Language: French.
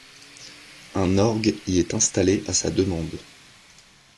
Un orgue y est installé à sa demande.